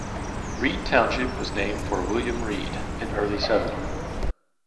Reed Township was named for William Reed, an early settler.